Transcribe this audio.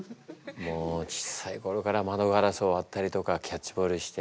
もうちっさい頃から窓ガラスを割ったりとかキャッチボールして。